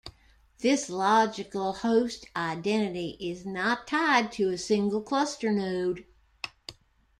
This logical host identity is not tied to a single cluster node.